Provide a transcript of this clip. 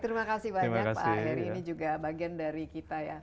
terima kasih banyak pak heri ini juga bagian dari kita ya